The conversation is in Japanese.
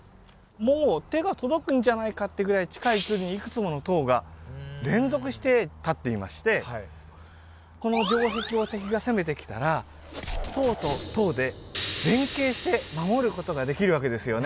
もう手が届くんじゃないかってぐらい近い距離にいくつものこの城壁を敵が攻めてきたら塔と塔で連携して守ることができるわけですよね